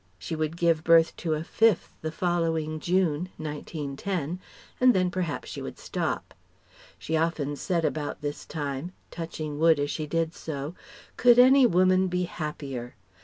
She would give birth to a fifth the following June (1910), and then perhaps she would stop. She often said about this time touching wood as she did so "could any woman be happier?"